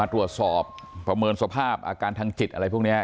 ตรวจสอบประเมินสภาพอาการทางจิตอะไรพวกนี้